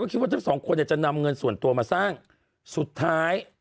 คิดว่าทั้งสองคนเนี่ยจะนำเงินส่วนตัวมาสร้างสุดท้าย